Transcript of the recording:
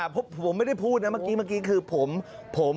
ผมไม่ได้พูดนะเมื่อกี้ผม